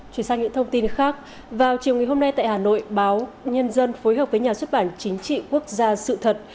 chuyển sang những thông tin khác vào chiều ngày hôm nay tại hà nội báo nhân dân phối hợp với nhà xuất bản chính trị quốc gia sự thật